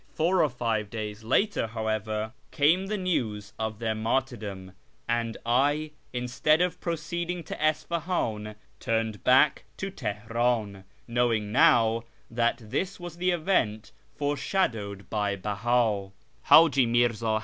Four or five days later, how ever, came the news of their martyrdom, and I, instead of proceeding to Isfahan, turned back to Teheriin, knowing now that this was the event foreshadowed by Beha.